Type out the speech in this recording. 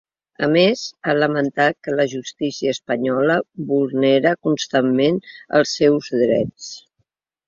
A més, ha lamentat que la justícia espanyola vulnera constantment els seus drets.